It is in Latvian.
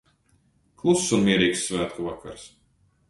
Kluss un mierīgs svētku vakars.